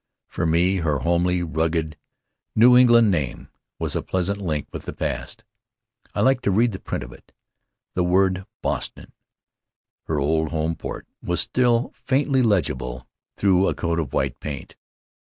For me her homely, rugged New England name was a pleasant link with the past. I liked to read the print of it. The word "Boston," her old home port, was still faintly legible Faery Lands of the South Seas through a coat of white paint.